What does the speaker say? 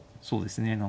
そうですね